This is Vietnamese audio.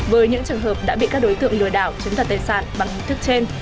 với những trường hợp đã bị các đối tượng lừa đảo chứng tật tài sản bằng hình thức trên